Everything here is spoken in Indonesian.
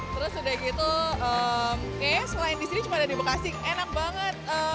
terus udah gitu selain disini cuma ada di bekasi enak banget